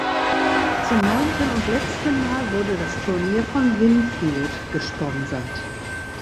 Zum neunten und letzten Mal wurde das Turnier von "Winfield" gesponsert.